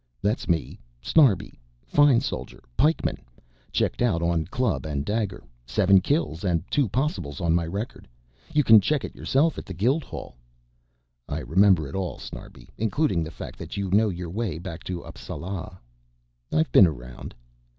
"That's me, Snarbi, fine soldier, pikeman, checked out on club and dagger, seven kills and two possibles on my record, you can check it yourself at the guild hall." "I remember it all Snarbi, including the fact that you know your way back to Appsala." "I've been around."